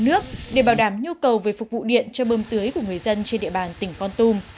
nước để bảo đảm nhu cầu về phục vụ điện cho bơm tưới của người dân trên địa bàn tỉnh con tum